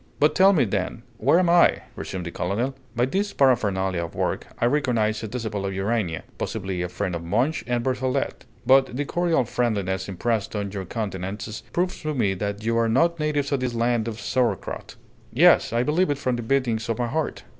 "But tell me, then, where I am?" resumed the colonel. "By these paraphernalia of work, I recognize a disciple of Urania; possibly a friend of Monge and Berthollet. But the cordial friendliness impressed on your countenances proves to me that you are not natives of this land of sauerkraut. Yes, I believe it from the beatings of my heart.